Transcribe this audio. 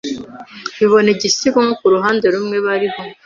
bibona igisigo nko kuruhande rumwe bariho